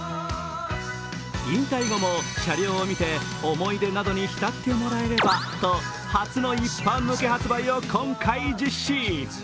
引退後も車両を見て思い出などに浸ってもらえればと初の一般向け発売を今回実施。